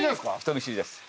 人見知りです。